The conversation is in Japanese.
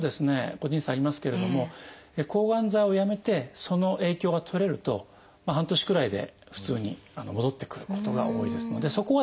個人差ありますけれども抗がん剤をやめてその影響が取れると半年くらいで普通に戻ってくることが多いですのでそこはですね